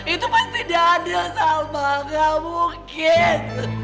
itu pasti daniel salma gak mungkin